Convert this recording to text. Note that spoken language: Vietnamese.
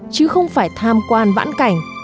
chứ không phải tham quan vãn cảnh